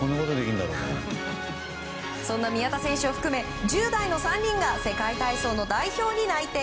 そんな宮田選手を含め１０代の３人が世界体操の代表に内定。